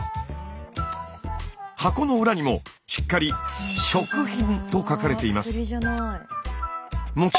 箱の裏にもしっかり「食品」と書かれています。